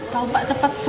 rompak cepat banget itu